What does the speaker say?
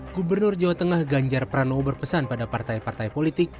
gubernur jawa tengah ganjar pranowo berpesan pada partai partai politik